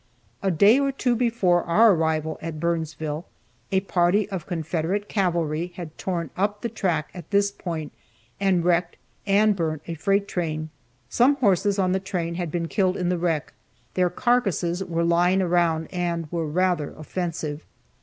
A day or two before our arrival at Burnsville a party of Confederate cavalry had torn up the track at this point, and wrecked and burnt a freight train. Some horses on the train had been killed in the wreck; their carcasses were lying around, and were rather offensive.